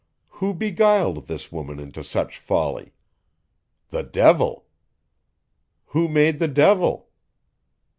Who beguiled this woman into such folly? The devil. Who made the devil?